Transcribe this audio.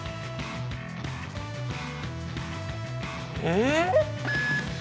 えっ！？